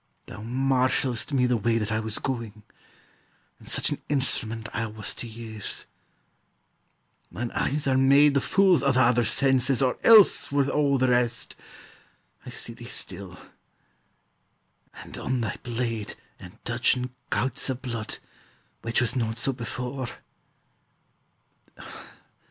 Thou marshal'st me the way that I was going; And such an instrument I was to use. Mine eyes are made the fools o' the other senses, Or else worth all the rest: I see thee still; And on thy blade and dudgeon gouts of blood, Which was not so before.